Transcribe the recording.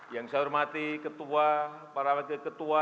yang saya hormati ketua para wakil ketua